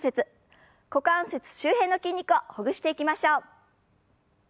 股関節周辺の筋肉をほぐしていきましょう。